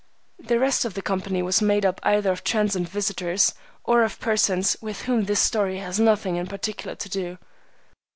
The rest of the company was made up either of transient visitors or of persons with whom this story has nothing in particular to do.